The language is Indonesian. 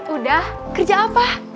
udah kerja apa